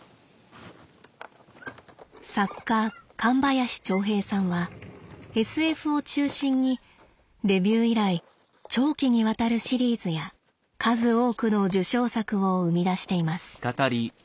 作家神林長平さんはＳＦを中心にデビュー以来長期にわたるシリーズや数多くの受賞作を生み出しています。